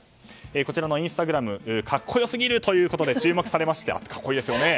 こちらのインスタグラム格好良すぎると注目されまして。